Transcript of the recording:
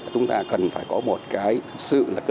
chúng ta cần phải có một cái thực sự là cần thiện